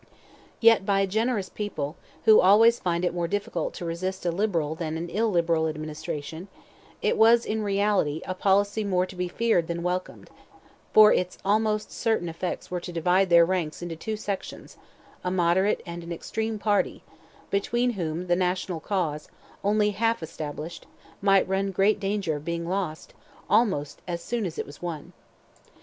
Yet by a generous people, who always find it more difficult to resist a liberal than an illiberal administration, it was, in reality, a policy more to be feared than welcomed; for its almost certain effects were to divide their ranks into two sections—a moderate and an extreme party—between whom the national cause, only half established, might run great danger of being lost, almost as soon as it was won.